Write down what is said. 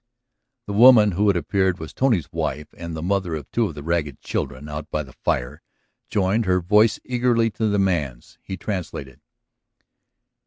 The woman, who, it appeared was Tony's wife and the mother of two of the ragged children out by the fire, joined her voice eagerly to the man's. He translated.